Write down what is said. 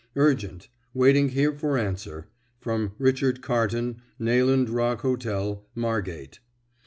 Urgent. Waiting here for answer. From Richard Carton, Nayland Rock Hotel, Margate."